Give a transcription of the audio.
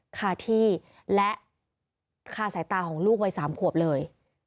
คาที่และคาสายตาของลูกวัย๓ขวบเลย